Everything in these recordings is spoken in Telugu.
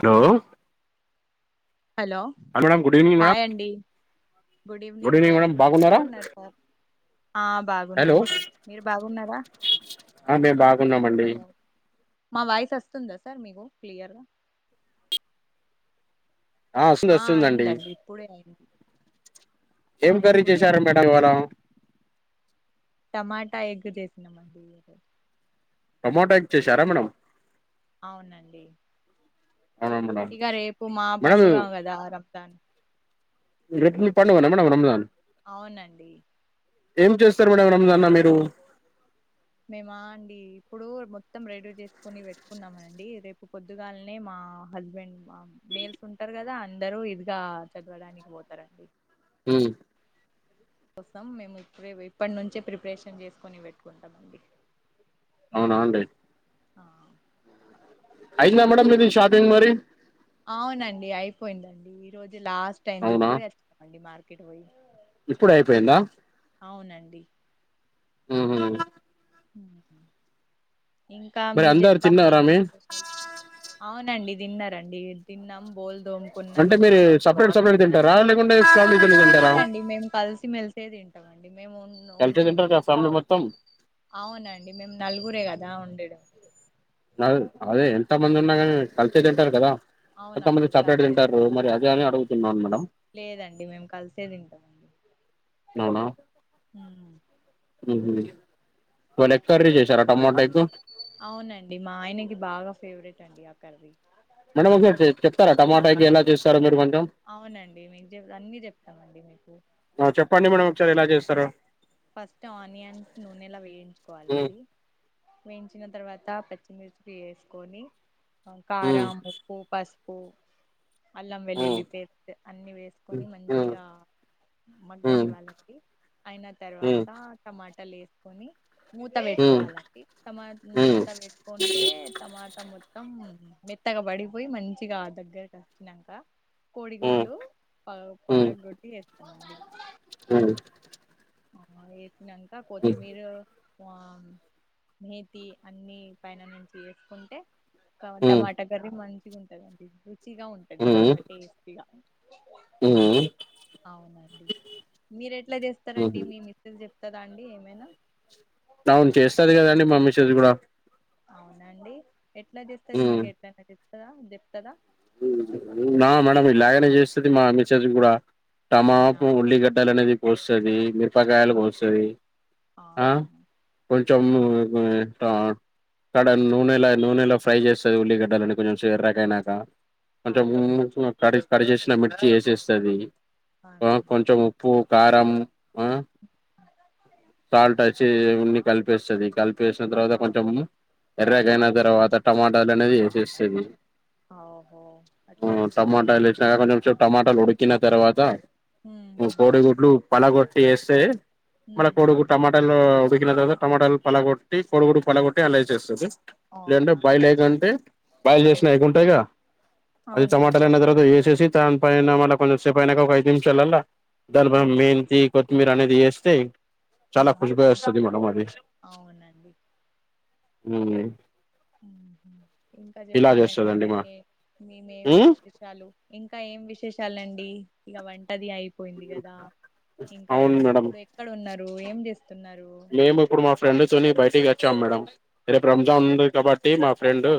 Hello hello madam good evening madam hi అండి good evening evening sir madam బాగున్నారా ఎట్లా ఉన్నారు సార్ హలో బాగున్నాం సార్ మీరు బాగున్నారా ఆ మేము బాగున్నామండి హలో మా వాయిస్ వస్తుందా సార్ మీకు క్లియర్గా వస్తుంది ఆ వస్తుందండి అయిందండి ఇప్పుడే అయింది ఆ ఏం కర్రీ ఇప్పుడే చేసారు మేడం అయిందండి ఇవాళా టమాటా ఎగ్ చేసినామండి టొమోటా ఎగ్గ్ చేసారా మేడమ్ అవునండి అవునా మేడం ఇక రేపు మా మేడం పండుగ కదా రంజాన్ [inaudible] అవునండి ఏం చేస్తారు మేడం రంజాన్న మీరు మేమా అండి ఇప్పుడు మొత్తం రెడీ చేసుకుని పెట్టుకున్నామ అండి రేపు పొద్దుగాలనే మా హస్బెండ్ మా మేల్స్ ఉంటారు కదా అందరు ఇదిగా చదవడానికి పోతారండి అ కోసం మేము ఇప్పుడే ఇప్పటి నుంచే ప్రిపరేషన్ చేసుకొని పెట్టుకుంటామండి అవునా అండి ఆ వెంద మేడమ్ మీది షాపిింగ్ మరి అవునండి అయిపోయిందండి ఈ రోజు లాస్ట్ అయింది అవునా ఇప్పుడే వచ్చామండి మార్ కిట పోయి ఇప్పుడు అయిపోయిందా అవునండి హ హ ఇంకా మరి మీరు అందరు చెప్పాలి ఏ తిన్నారా మీ అవునండి తిన్నారండి ఏం తిన్నం బోల్ అంటే దోముకున్నారు మీరూ సపరేట్ పెడు తింటరా రాకుండే లేదండి మేమ్ కలిసి మెల్సే తింటామ మేము ఉన్నవును కలిసే తింటారు కదా ఫ్యామిలీ మొత్తం అవునండి మేము నలుగురే కదా ఉండడం అ అదే ఎంత మంది ఉన్నా కాని కలిసే తింటారు కదా కొంతమంది అవునండి సపరేట్ కలిసేది తింటారు మరి అదే అని అడుగుతున్నాను మేడం లేదండి మేము కలిసే తింటామ్ నవునా ఉహు అవునండి మా ఆయనకి బాగా ఫేవ్రెట్ అండి కర్రీ మేడం ఒకసారి చెప్తార టమాట ఎలా చేస్త ప్తర మీరు కొంచెం అవునండి నిజం అన్నిీ చెప్తామండి మీకు ప్తండి మేడం ఒకసారి ఎలా చేస్తారొ ఫస్ట్ ఆనియన్స్ నూనెలా మ్మ్. వేయించుకోవాలండి వేయించిన తర్వాత పెద్ పర్చిమిర్చి వేసుకొని మ్మ్. కారాం ఉప్పు పసుపు ఒ అల్లం మ్మ్. వెల్లుల్లి పేస్ట్ అన్ని వేసుకొని మ్మ్. మంచిగా మగ్గని మ్మ్. వాళ్ళకి అయిన ట బట్టలేసుకొని మూత మ్మ్. పెట్టుకోవాలండి టమా మ్మ్. మూత పెట్టుకుంటే టమాట మొత్తం మెత్తగ పడిపోయి మంచిగా ఆ దగ్గరకి వచ్చినాక మ్మ్. కోడిగుడ్లు ప పలక్ గొట్టి ఎస్ కో అ అమోయ్ నాంక కొత్తిమీర ఆ మేతి అన్నిీ పైన నేంచి చేసుకుంటే మ్మ్. టమాట కర్రీ మంంచి మంచిగా ఉంటదండి చిగా ఉంటది మ్మ్. బాగా టేస్టీగ మ్మ్. అవునండి మీరు ఎట్లా చేస్ త రండి మ్మ్. మీ మిసెస్ చెప్తరా అండి ఏమైనా అవును చేస్తాది కదా అండి మా మిసెస్ కూడా అవునండి ఎట్ ఎట్లా చేస్తది మీ [unintelligible] తద చెప్తదా ఉహు నా మేడం ఇలాగనే చేస్తది మా మిసేజ్ కూడా అవునా టమాపు ఉల్లి గడ్డాల అనేది కొస్సది మిర్ప్ పకాయలు ఆ, కోస్తాది ఆ ఆహా, కొంచెం ఆ, ట అక్కడ నూనెలా నూనెలా ఫ్రై చేస్తది ఉల్లిగడ్డలని కొంచెం చివరి దాకా ఓ, అయినాక అంటే అని [unintelligible] కడిస్ కడ్ చేేసిన మిర్చి వేసేస్తది ఆ అని కొంచెం ఉప్పు కారం ఆ సాల్ట్ చి అన్ని కల్పేస్తది కల్ప్ వేసిన తర్వాత ఆ, కొంచెం ఎర్రగయిన తర్వాత టమాటాలు అనేది వేసేస్తది ఓహో అట్లా ఆ చేస్తా టమాటాలు వేసాక కొంచెం సేపు టమాటాలు ఉడికిన తర్వాత ఉమ్, కోడిగుడ్లు పలగొట్ ఏసే మళ్ళ ఉమ్, కొడుగుడ్డు టమాటా [unintelligible] ఉడికిన తర్వాత టమాటాలు పలగొట్టి కోడిగుడ్డు పలగొట్టి అల్ల ఏసేస్తది లేదంటే అవునా బయల్ ఎగ్ అంటే బయలు చేసినా ఎగ్ ఉంటది కదా అది అవునండి టమాటాలైన తర్వాత వేసేసి దాని పైన మళ్ళ కొంచెం సేపు అయినాక ఒక ఐదు నిమిషాలల్లా [unintelligible] మెంతి కొత్మీర్ అనేది వేస్తే చాలా హమ్ ఖుషుగా వస్తది అంతే మేడం అది అవునండి ఉ ఉహు ఇంకా చెప్పాలండి చేస్తదండి మా మీకే మేమేం విశేషాలు ఇంకా ఏం విశేషాలండి ఇక వంటది అయి పోయింది కదా ఇంకా అవును ఏం మేడం ఇప్పుడు ఎక్కడ ఉన్నారు ఏం చేస్త మేము ఇప్పుడు మా ఫ్రెండ్ తోని బయటికిచ్చ చ్చామ్ మేడం రేపు అవు- రంజాన్ డే కబటీ టీ మా ఫ్రెండు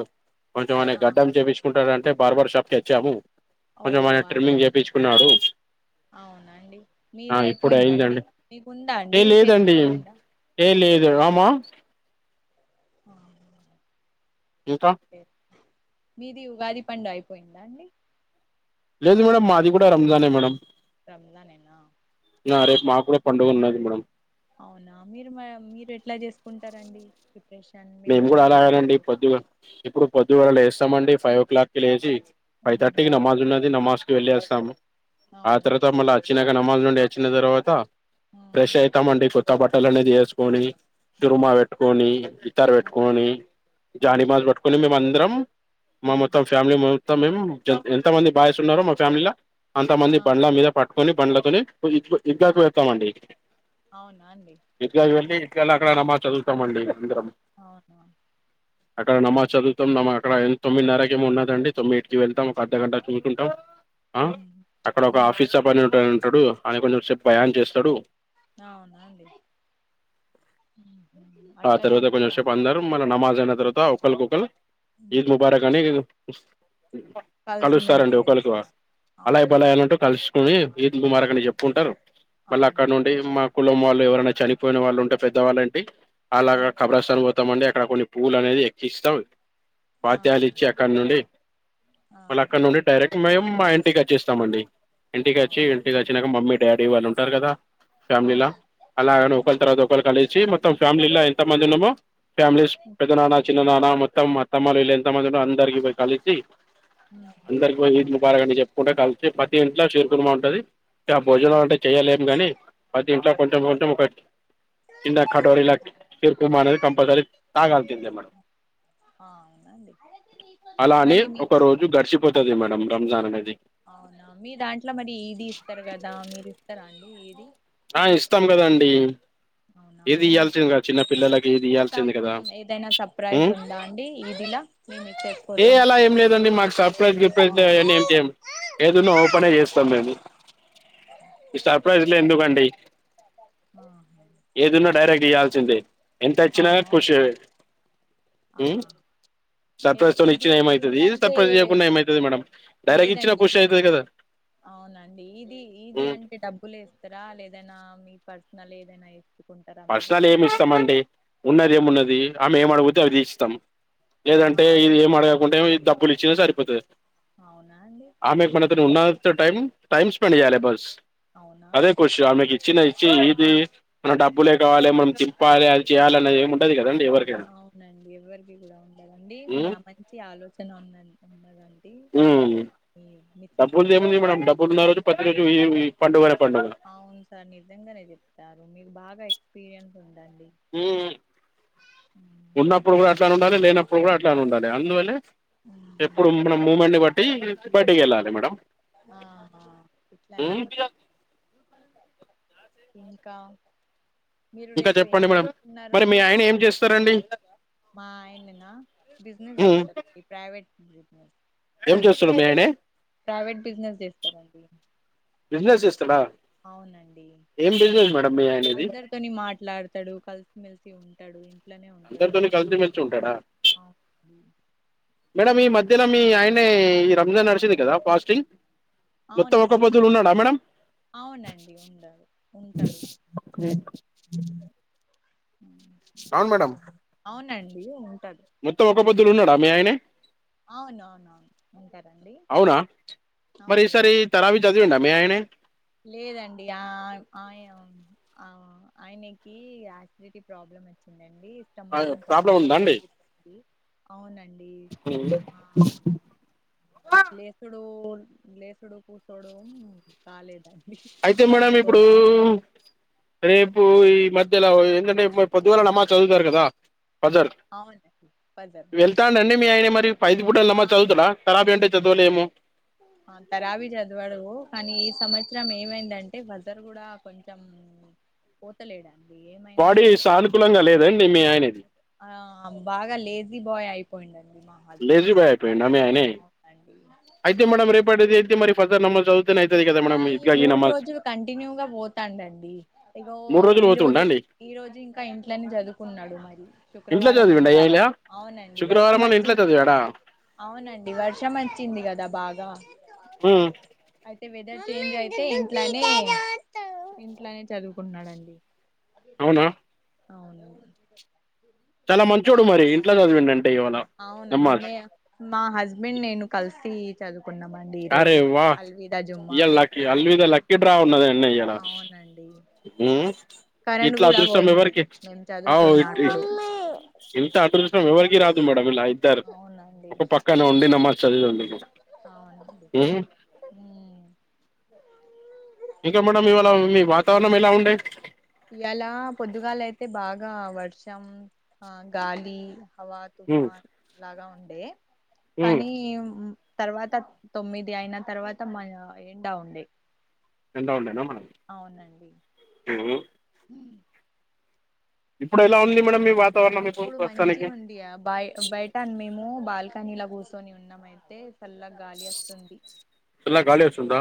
కొంచెమ అ ఆ గడ్డం చేపుకుంటారారంటడి బార్ బార్షప్ కెచామూ కొంచం వాని ట్రిమింగ్ చేయిపుచు న్నారు అవునండి మీది ఇప్పుడే అయిపోయిందండి అయిందండి మీకు ఉందా అండి ఫెస్టివల్ ఉందా ఏలేదు లేదా రామా ఆ జూతమ్ ఓకే. మీది ఉగాది పండుగ అయిపోయిందా అండి లేదు మేడంమ్ మాది కూడా రంజానే మేడంమ్ రంజానేనా నా ఆ, రేపు మా కూడా పండుగ ఉన్నది మనం అవునా మీరు మా మీరు ఎట్లా చేసుకుంటారండి. ప్రిపరేషన్ మీ మేము కూడా మమ్మీ అలాగేనండి వాళ్ళు పొద్దుగా ఇప్పుడు పొద్దు వాళ్లు వేస్తామండి ఫైవ్ ఓ క్లాక్ కి లేచి హ్మ్ ఫైవ్థర్టీకి నమాజ్ ఉన్నది నమాజ్ వెళ్ళి వాసా ము ఆ అవునా తరువాతా మాలా అచినాక నమాజ్ నుండి వచ్చిన తర్వాత ఫ్రెష్ ఆహా! అయి తామండి తబట్టలనే చేసుకొని ఆ! తిరుమాల్ పెట్టుకోని ఆ! కోని ఆ! జాని బాల్ పట్కుని మంద్రం హ్మ్. మాొత్తం ఫ్యామిలీ మ తం మేము ఎంత మంది బాస్ ఉన్నారో మా ఫ్యామిలీలా అంత మంది ఆ! బండ్ల మీద పట్ట కొన్ని బండ్ల తోనే ఇ ఆ! ఇద్గాకి వెళ్తామండి. అవునా అండి? ఇద్గాకి వెళ్ళి లా అక్కడ నమాజ్ చదువుతామండి అందరం. అవునువును. అక్కడ నమాజ్ చదువుతాం. నమా అడ తొమ్మిదిన్నరక ఏమో ఉన్నాదండి. తొమ్మిది ఇటికి వెళ్తాం ఒక అర్ధ గంట చూసుకుంటాం. ఆ హ్మ్. అక్కడ ఒక హ్మ్. ఆఫీస్ చ పని ఉ ఉంటడు అని కొంచెంసేపు భయా చేస్తాడు. అవునాండి ఆ తర్వాత కొంచెంషేపు అందరం మళ్ళ నమాజ్ అయిన తర్వాత ఒకల్ గకల్ ఈద్ హ్మ్. ముబారక్ అనే వస్ కలిసిమెలిసి కలుస్తారండి ఒకళ్రికి చేస్తారా? అలయ అవునా? బలాయంటూ కలుసు అది ఈద్ ముబారక్ అని చెప్పుకుంటారు. మళ్ళ అవునా? అక్కడ ఉండి మా కులం వాళ్ళు, ఎవరైనా చనిపోయిన వాళ్ళు ఉంటే పెద్దవాళ్ళండి. అలాగ హ్మ్. కబరా స స్తాం అండి అక్కడ కొన్ని పూలునే ఎక్కిస్తాం. పాత్యాల ఆహా! ఇచ్చి అక్కడ నుండి మళ్ళ ఆహా! అక్కడ నుండి డైరెక్ట్ మేము. మా ఇంటికి వచ్చేస్తామండి. ఇంటికి అచ్చి అవునా? ఇంటికి గాచ్చ న నాకు మమ్మీ డాడీ వాళు ఉంటారు కదా. ఫ్యామిలీ లా అవునా? అలా ఓకల్ తర్వాత కల్ చే మతం ఫ్యామిలీలా ఎంత మంది ఉన్నామో, ఫ్యామిలీస్ హ్మ్. పెద్ద నాన్న, చిన్న నాన్న మొత్తం తమ్మాళ వీళ ఎంతమంది ఉంటో అందరికి పోయి కలిసి హ్మ్. హ్మ్. అందరికి పోయి ఈద్ ముబారక్ అని చె పూట కలిసి పతి ఇంట్లో శీరు కుర్మ ఉంటది. ఆ భోజనం అంటే చెయలేము గాని, పతి ఇంట్లో కొంచెం, కొంచెం ఒక చిన్న కటోరీలా శిరుకుమా అనేది కంపల్సరీ తాగాల్సిందే మేడం. ఆ! అవునా? ఆ! అవునండి. అలాని మరి మీ ఒక రోజు గడిచిపోతుంది మేడం. రంజాన్ కది అవునా మీ దాంట్లో మరి ఈది ఇస్తారు కదా, మీరు ఇస్తారా అండి ఈది. ఆ ఇస్తాం కదండి అవునా ఇది మీ మిస్ ఇల్సింది కదా చిన్న పిల్లలకి మిస్సెస్ ఇది కోసం ఇ్యాల్సింది కదా ఏదైనా సర్ప్రైజ్ ఉందా అండి ఇదిలా మీ మిస్సెస్ ఏ కోసం అలా ఏం లేదండి మాకు సర్ప్రైజ్ ఏ ఏమో అండి ఏదన్నా ఓపెన్ చేస్తాం మేము ఇ సర్ప్రైజ్ లు ఎందు కండి డి ఆా తీయాల్చందే అవునండి ఆ ఉమ్ ఏ సర్ప్రైజ్ తోని ఇది ఇచ్చిన ఇది ఏమైతది అంటే సర్ప్రైజ్ చేయకుండా ఏమైతది మేడం డైరెక్ట్ ఇచ్చిన లేదండి పుష్ అయితది కదా అవునండి ఇది ఇది ఉమ్, అంటే డబ్బులు వేస్తారా లేద ఏదైనా మీ పర్సనల్ ఏదైనా మీరు పర్సనల్ ఏమి ఇస్తామంటే ఉన్నది ఏమున్నది ఆమె ఏం అడిగితే అవిది తీ ఇస్తాం ఆహా ఏదంటే ఆడ ఇవి ఏం అడగకు ఉంటే డబ్బులు ఇచ్చినా సరిపోతది అవునా అండి ఆమె మన తో ఉన్నా టై టైమ్ స్పెండ్ చేయాలే ఫస్ట్ అవునా అదే ఖషి ఆమెకి ఇచ్చిన ఇచ్చి ఈది మన డబ్ బ్బులే కావాలి మనం చెప్పాలే అది చేయాలి అది ఏమిముంటది కదా అవునండి ఎవరికి కూడా ఉండాలండి మీ మ్మ్ ఆ మంచి ఆలోచన ఉన్నా ఉన్నదండి మీ మిస్సెస్ డబ్బులు కోసం ఏముంది మేడం డబ్బులు ఉన్న రోజు ప ఈ రోజు ఎమి పండుగ డప్ అవును సార్ నిజంగానే చెప్తారు మీకు బాగా పియంసా ఉమ్, ఉన్నప్పుడు కూడా ఎట్లానే ఉండాలి లేనప్పుడు ఇప్పుడు కూడా అట్లానే ఉండాలి అందులోనే ఉమ్, ఎప్పుడు మన మూమెంట్ ని పట్ బడ్టిీ హెళ్ బడి కెల్లలా మేడం ఆహా ఇట్లా మ్మ్ న ఇంకా మీరు ఇంకా రేపు ఏం చెప్పండి మేడం చేస్తున్న మరి మీ రండి ఆయన ఏం చేస్తారండి మా ఆయన న బిజినెస్ మ్మ్ చేస్తారండి ప్రవేట్ ఉ ఏం చూస్తున్నా మీ ఆయనే ప్రైవేట్ బిజినెస్ చేస్తారంండి బిజినెస్ చేస్తాడా అవునండి ఏం బిజినెస్ మేడం మీ ఆయనది అందరితోని మాట్లాడతాడు కలిసిమెెలిసి ఉంటడు. అట్లానే ఉంటడ అందరితోని కలిసిమెలిసి ఉంటాడా అ మేడం ఈ మధ్యన మీ ఆయనే ఈ రంజాన్ నడిచింది కదా ఫాస్టింగ్ మొత్తం ఒక్క అవునండి. పొద్దులు ఉన్నాడా మేడం అవునండి ఉండాలె ఉంటడు. హ అవును మేడం. అ మొత్తం ఒక పొద్దులు ఉన్నడా మీ ఆయనే అవును అవునవును ఉంటరండి అవునా అవును విండా మీ ఆయనే లేదండి ఆ ఆయ ఆ ఆయనకి యాసిడిటీ ప్రాబ్లమ్ వచ్చిం నందు స్టమక్ కొంచం ప్రాబ్లం బాగా పెరుగుతుంది. అవునం అ లేసుడు లేసుడు కూసోడు కాలేద్ అయితే మేడం ఇప్పుడూ రేపు ఈ ఈ మధ్యల ఏంటంటే పొద్దుగాల నమాజ్ చదువుతారు కదా ఫదర్ అవునండి పజల్ వెళ్తానండి మీ ఆయన మరి ఫై [unintelligible] చదువుతడా కరాబి అంటే చవలేమో ఆ తరాబీ చదివడు కానీ ఈ సంవత్సరం ఏమైందంటే వజర్ గుడా కొంచెం పోతలేడా బాడీ సానుకూలంగా లేదండి మీ అంతే లేండి ఆ బాగా లేజీ బాయ్ అయిపోయిండ లేజీ బాయ్ అయిపోయిండా మీ ఆయనే అవునండి అయితే మేడం రేప్ అడేది ఏంటిది మరి ఫజర్ నమాజ్ చదు ఆ ఈ మూడు రోజులు కంటిన్యూగా పోతాండండి. ఇగో మూడు రోజులు ఈ పోతుండా రోజు అండి ఈ రోజు ఇంకా ఇంట్లనే చదువుకున్నాడు మరి ఇంట్లో శుక్రవారం అని చదివిండా ఇయ్యాల కావచ్ అవునండి వర్షం శుక్రవారం అని ఇంట్లో వచ్చింది ఎటు చదివాడా అవునండి వర్షం వచ్చింది క ఇంత బాగా ఆ అయితే వెదర్ చేంజ్ అయితే ఇంట్లనే ఇంట్లనే చదువుకుంన్నాడండి. అవునా అవును. చాలా మంచోడు మరి ఇంట్ల చదివిండం అవునండి. మే మా హస్బెండ్ నేను కల్సి కొన్నామండి ఈ రోజు అరే వా అల్విదా జుమ్మా ఇయ్యాల లక్కీ అల్విద లక్కీ డ్రా ఉన్నది ఉన్న ఇయ్యాల అవునండి హు కరెంట్ ఇట్లా కూడా అదృష్టం పోయింది ఎవరికి మేము ఆవు చదువుతున్నా అప్పుడు ఇంత అదృష్టం ఎవరికి రాదు మేడం ఇలా ఇద్దరు అవునండి ఒక్క పక్కనే ఉండిన చల్ ఉం అవునండి ఏ ఉమ్ ఇంకా మేడంమ్ ఇవాళ మీ వాతావరణం ఎలా ఉండే ఇలా పొద్దుగాల అయితే బాగా వర్షం ఆ గాలి అవా తుఫాన్ లాగా ఉంది లే కానీ తర్వాత తొమ్మిది అయిన తర్వాత మల్ల ఎండా ఉండె ఎండ ఉండనే అమ్మ అవునండి హు ఇప్పుడు ఎలా ఉంది మేడం మీ వాతావరణం ఇప్పుడు ప్రస్తుతానికి మంచిగా ఉంది బయ బయట మేము బాల్కనీల కూసు కుకొని ఉన్నాము అయితే చల్ల గాలి వస్తుంది చల్ల గాలి వస్తుందా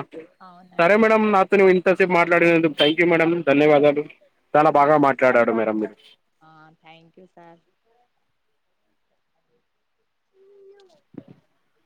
సరే అవునండి మేడమ్ నాతోని ఇంత ఎంతసేపు మాట్లాడినందుకు థ్యాంక్యూ మేడం ధన్యవాదాలు చాలా బాగా మాట్లాడారు మేడం మీరు స [inaudible]